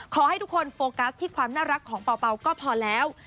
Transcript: ขอให้ทุกคนโฟกัสที่ความน่ารักของเป่าก็พอแล้ว